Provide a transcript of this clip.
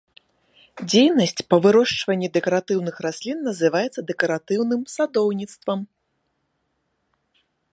Дзейнасць па вырошчванні дэкаратыўных раслін называецца дэкаратыўным садоўніцтвам.